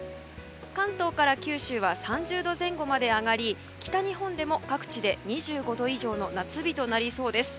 関東から九州は３０度前後まで上がり北日本でも各地で２５度以上の夏日となりそうです。